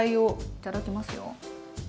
いただきますよ。